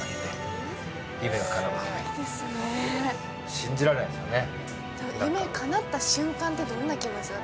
信じられないですよね。